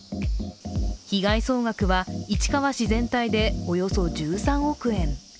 被害総額は市川市全体でおよそ１３億円。